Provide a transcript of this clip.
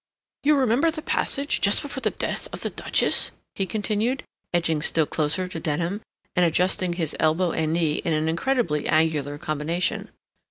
"You remember the passage just before the death of the Duchess?" he continued, edging still closer to Denham, and adjusting his elbow and knee in an incredibly angular combination.